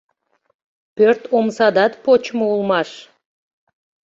Пӧрт омсадат почмо улмаш.